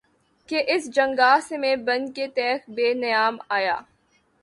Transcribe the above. کہ اس جنگاہ سے میں بن کے تیغ بے نیام آیا